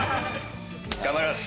頑張ります。